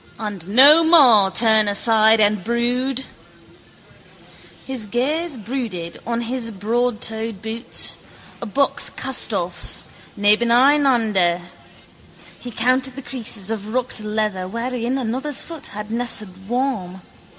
And no more turn aside and brood. His gaze brooded on his broadtoed boots, a buck's castoffs, nebeneinander. He counted the creases of rucked leather wherein another's foot had nested warm.